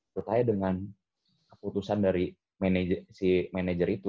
terutama dengan keputusan dari si manajer itu